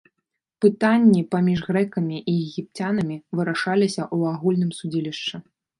Пытанні паміж грэкамі і егіпцянамі вырашаліся ў агульным судзілішча.